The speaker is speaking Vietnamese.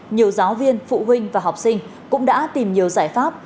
nhiều giáo viên phụ huynh và học sinh cũng đã tìm nhiều giải pháp